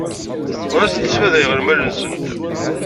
Ur asent-sfadayeɣ lmal-nsent.